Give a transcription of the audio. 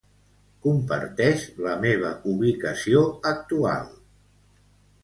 Comparteix la meva ubicació actual.